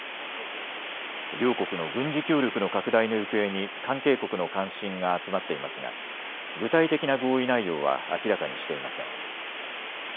両国の軍事協力の拡大の行方に関係国の関心が集まっていますが具体的な合意内容は明らかにしていません。